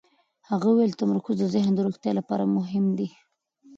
هغه وویل چې تمرکز د ذهن د روغتیا لپاره مهم دی.